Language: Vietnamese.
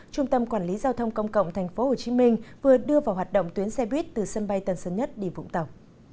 trung tâm quản lý giao thông công cộng tp hcm vừa đưa vào hoạt động tuyến xe buýt từ sân bay tân sơn nhất đi vũng tàu